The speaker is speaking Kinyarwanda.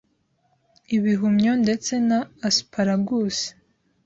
ibihumyo ndetse na asparagus